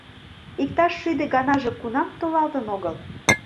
Иктаж шӱдӧ ганаже кунам толалтын огыл...